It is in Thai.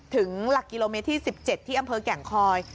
หลักกิโลเมตรที่๑๗ที่อำเภอแก่งคอย